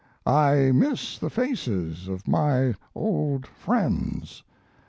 I miss the faces of many old friends.